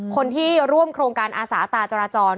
คนที่ร่วมโครงการอาสาตาจราจร